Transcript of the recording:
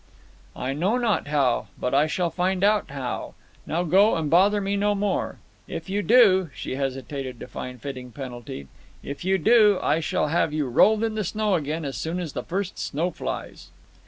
"I know not how, but I shall find out how. Now go, and bother me no more. If you do"—she hesitated to find fitting penalty—"if you do, I shall have you rolled in the snow again as soon as the first snow flies."